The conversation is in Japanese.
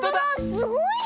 すごいね！